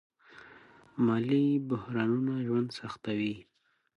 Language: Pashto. مالي بحرانونه ژوند سختوي.